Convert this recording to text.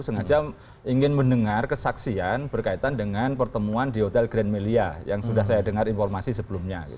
sengaja ingin mendengar kesaksian berkaitan dengan pertemuan di hotel grand melia yang sudah saya dengar informasi sebelumnya